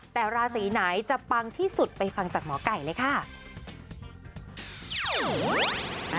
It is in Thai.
แต่ราศีไหนจะปังที่สุดไปฟังจากหมอไก่เลยค่ะ